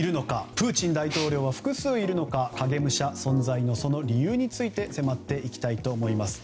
プーチン大統領影武者存在の理由について迫っていきたいと思います。